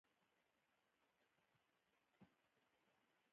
افغانستان کې اوږده غرونه د خلکو د خوښې وړ ځای دی.